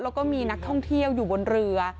แล้วก็มีนักท่องเที่ยวอยู่บนเรือ